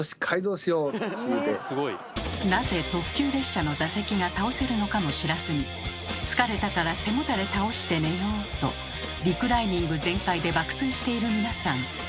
なぜ特急列車の座席が倒せるのかも知らずに「疲れたから背もたれ倒して寝よう」とリクライニング全開で爆睡している皆さん。